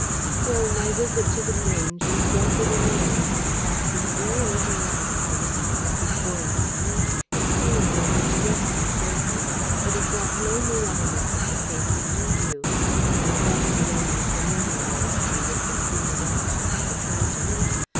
Still, my visit to The Grange resulted in the end in casting very little light upon the problem before me. It pained and distressed me greatly, but it brought no new elements of the case into view: at best, it only familiarised me with the scene of action of the tragedy.